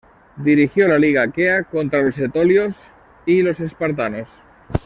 Dirigió la Liga aquea contra los etolios y los espartanos.